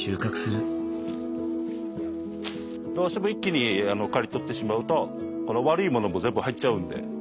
どうしても一気に刈り取ってしまうとこの悪いものも全部入っちゃうんで。